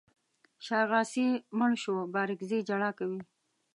شاغاسي مړ شو بارکزي ژړا کوي.